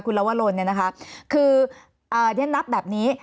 คุณละวรลด์นะครับเรียนนับแบบนี้